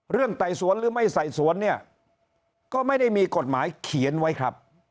ไต่สวนหรือไม่ไต่สวนเนี่ยก็ไม่ได้มีกฎหมายเขียนไว้ครับ